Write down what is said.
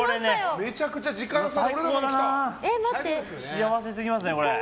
幸せすぎますね、これ。